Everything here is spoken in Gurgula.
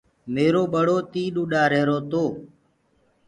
ميرو ٻڙو تيڏو اُڏ رهيرو تو۔